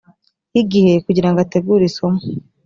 y igihe kugira ngo ategura isomo